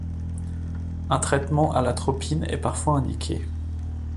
Un traitement à l'atropine est parfois indiqué.